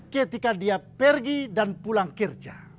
ketika dia pergi dan pulang kerja